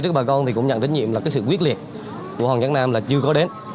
trước bà con thì cũng nhận trách nhiệm là cái sự quyết liệt của hoàng giang nam là chưa có đến